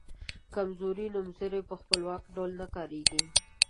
کمزوري نومځري په خپلواکه ډول نه کاریږي.